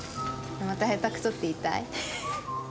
また下手くそって言いたい？